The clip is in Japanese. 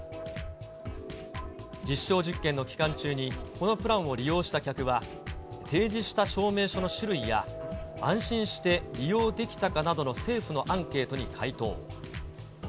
実証実験の期間中にこのプランを利用した客は、提示した証明書の種類や、安心して利用できたかなどの政府のアンケートに回答。